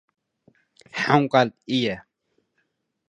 ሓንኳል እየ።